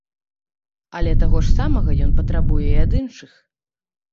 Але таго ж самага ён патрабуе і ад іншых.